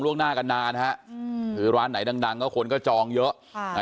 หน้ากันนานฮะคือร้านไหนดังก็คนก็จองเยอะ